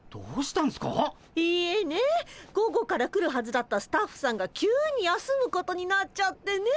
いえね午後から来るはずだったスタッフさんが急に休むことになっちゃってね。